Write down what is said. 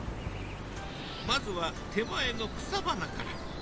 まずは手前の草花から。